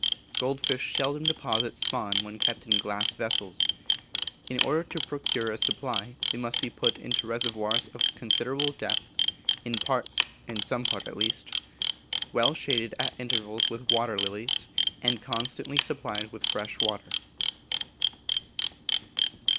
Gold fish seldom deposit spawn when kept in glass vessels. In order to procure a supply, they must be put into reservoirs of a considerable depth, in some part at least, well shaded at intervals with water lilies, and constantly supplied with fresh water.